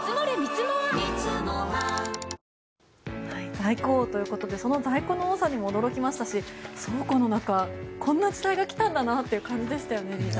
在庫王ということでその在庫の多さにも驚きましたし倉庫の中、こんな時代が来たんだなという感じでしたよね。